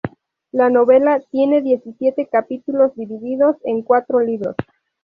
La novela tiene diecisiete capítulos, divididos en cuatro Libros.